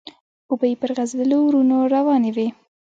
اوبه يې پر غزيدلو ورنو روانې وې.